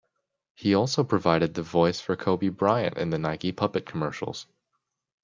He also provided the voice for Kobe Bryant in the Nike puppet commercials.